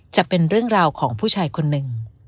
จะเป็นเรื่องราวของผู้ชายคนหนึ่ง